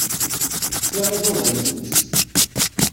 Fkiɣ iḍudan i tmes.